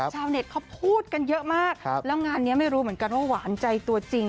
ชาวเน็ตเขาพูดกันเยอะมากแล้วงานนี้ไม่รู้เหมือนกันว่าหวานใจตัวจริง